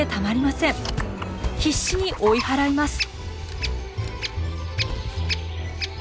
必死に追い払います。